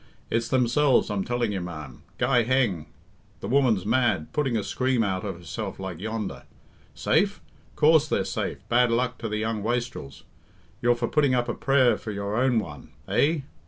It's themselves I'm telling you, ma'm. Guy heng! The woman's mad, putting a scream out of herself like yonder. Safe? Coorse they're safe, bad luck to the young wastrels! You're for putting up a prayer for your own one. Eh?